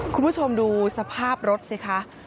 คุณผู้ชมดูสภาพรถสิคะ